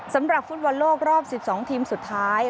สำหรับฟุตบอลโลกรอบ๑๒ทีมสุดท้าย